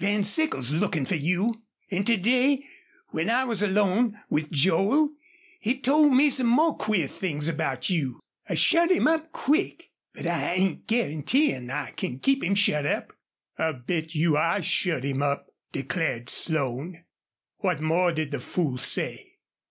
Van Sickle's lookin' fer you. An' to day when I was alone with Joel he told me some more queer things about you. I shut him up quick. But I ain't guaranteein' I can keep him shut up." "I'll bet you I shut him up," declared Slone. "What more did the fool say?"